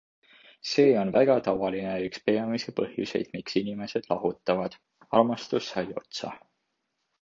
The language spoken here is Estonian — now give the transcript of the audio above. See on väga tavaline ja üks peamisi põhjuseid, miks inimesed lahutavad - armastus sai otsa.